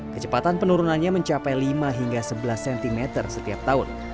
kecepatan penurunannya mencapai lima hingga sebelas cm setiap tahun